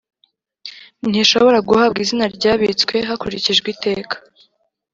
ntishobora guhabwa izina ryabitswe hakurikijwe iteka